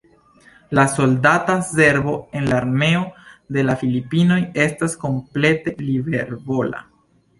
La soldata servo en la Armeo de la Filipinoj estas komplete libervola.